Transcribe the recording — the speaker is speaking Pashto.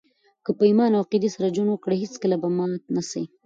که په ایمان او عقیدې سره ژوند وکړئ، هېڅکله به مات نه سئ!